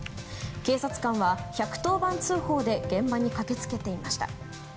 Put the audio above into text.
警察官は１１０番通報で現場に駆けつけていました。